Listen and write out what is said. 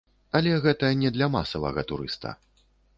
Але гэта не для масавага турыста.